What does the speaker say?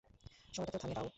সময়টাকে কেউ থামিয়ে দাও।